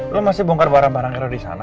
lo masih bongkar barang barangnya di sana